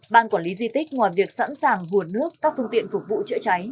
ban quản lý di tích ngoài việc sẵn sàng buồn nước các phương tiện phục vụ chữa cháy